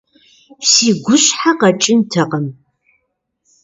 Си гущхьэ къэкӀынтэкъым!